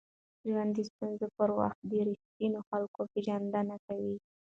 ژوند د ستونزو پر وخت د ریښتینو خلکو پېژندنه کوي.